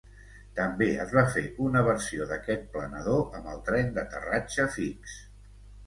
També es va fer una versió d'aquest planador amb el tren d'aterratge fix.